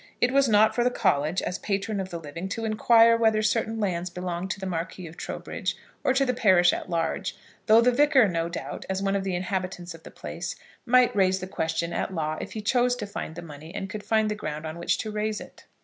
It was not for the college, as patron of the living, to inquire whether certain lands belonged to the Marquis of Trowbridge or to the parish at large, though the Vicar no doubt, as one of the inhabitants of the place, might raise the question at law if he chose to find the money and could find the ground on which to raise it.